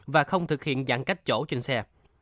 và không thực hiện giãn cách chỗ trên xe